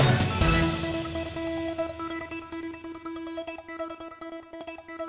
sian indonesia newsroom akan kembali lagi